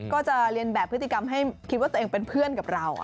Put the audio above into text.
ก็จะเรียนแบบพฤติกรรมให้คิดว่าตัวเองเป็นเพื่อนกับเรา